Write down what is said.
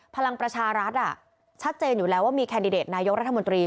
พลังประชารัฐชัดเจนอยู่แล้วว่ามีแคนดิเดตนายกรัฐมนตรี